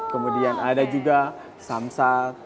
kemudian ada juga samsal